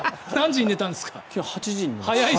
８時に寝ました。